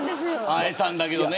会えたんだけどね。